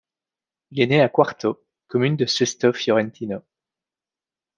Il est né à Quarto, commune de Sesto Fiorentino.